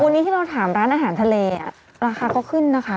วันนี้ที่เราถามร้านอาหารทะเลราคาก็ขึ้นนะคะ